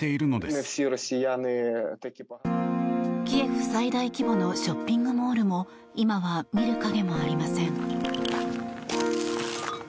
キエフ最大規模のショッピングモールも今は見る影もありません。